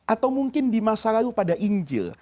atau mungkin di masa lalu pada injil